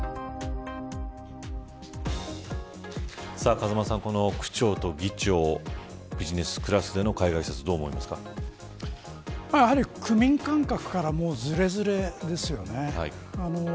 風間さん、区長と議長ビジネスクラスでの海外視察区民感覚からズレズレですよね。